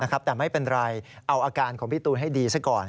แต่ไม่เป็นไรเอาอาการของพี่ตูนให้ดีซะก่อน